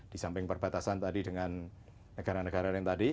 disamping perbatasan tadi dengan negara negara lain tadi